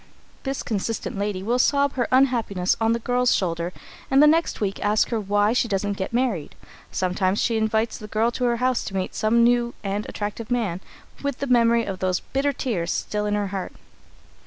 This consistent lady will sob out her unhappiness on the girl's shoulder, and the next week ask her why she doesn't get married. Sometimes she invites the girl to her house to meet some new and attractive man with the memory of those bitter tears still in her heart.